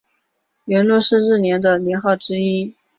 元禄是日本的年号之一。